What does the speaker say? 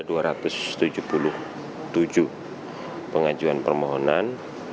ada dua ratus tujuh puluh tujuh pengajuan permohonan